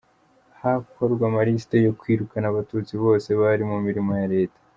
Hakorwa amaliste yo kwirukana abatutsi bose bari mu mirimo ya Leta.